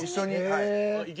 はい。